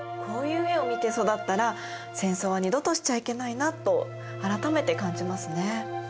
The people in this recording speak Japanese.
こういう絵を見て育ったら戦争は二度としちゃいけないなと改めて感じますね。